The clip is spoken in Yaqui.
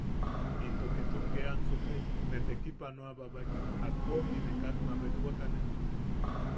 Into ketun ke ansukai ne tekipanoabaek jakko juniʼi ne kak mabetwakane.